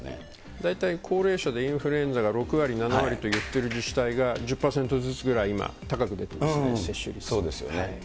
大体高齢者でインフルエンザが６割、７割と言っている自治体が１０％ずつぐらい、高く出てまそうですよね。